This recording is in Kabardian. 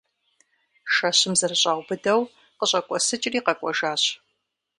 Шэщым зэрыщӏаубыдэу, къыщӏэкӏуэсыкӏри къэкӏуэжащ.